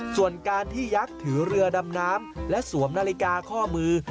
ส่วนการที่ยักษ์ถือเรือดำน้ำและสวมนาฬิกาข้อมือ